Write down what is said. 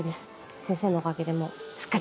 先生のおかげでもうすっかり。